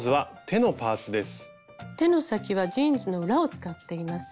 手の先はジーンズの裏を使っています。